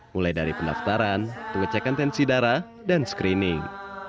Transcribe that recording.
mulai dari pendaftaran pengecekan tensi darah dan screening